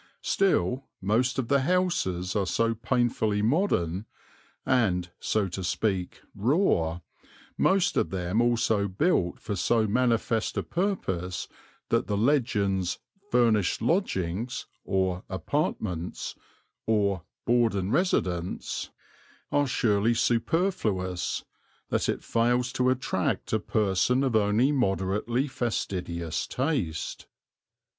Still most of the houses are so painfully modern and, so to speak, raw, most of them also built for so manifest a purpose that the legends "Furnished Lodgings," or "Apartments," or "Board and Residence," are surely superfluous, that it fails to attract a person of only moderately fastidious taste.